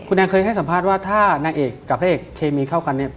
แอนเคยให้สัมภาษณ์ว่าถ้านางเอกกับพระเอกเคมีเข้ากันเนี่ย